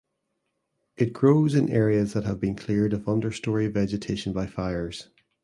It grows in areas that have been cleared of understory vegetation by fires.